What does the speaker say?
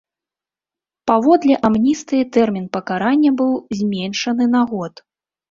Паводле амністыі тэрмін пакарання быў зменшаны на год.